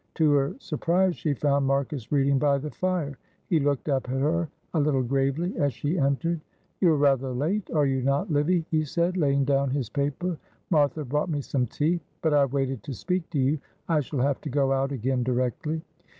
To her surprise she found Marcus reading by the fire; he looked up at her a little gravely as she entered. "You are rather late, are you not, Livy?" he said, laying down his paper. "Martha brought me some tea, but I waited to speak to you. I shall have to go out again directly."